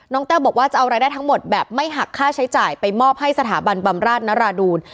แต้วบอกว่าจะเอารายได้ทั้งหมดแบบไม่หักค่าใช้จ่ายไปมอบให้สถาบันบำราชนราดูล